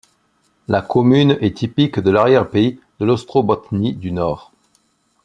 La commune est typique de l'arrière pays de l'Ostrobotnie du Nord.